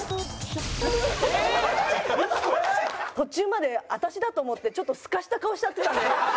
途中まで私だと思ってちょっとスカした顔しちゃってたんで。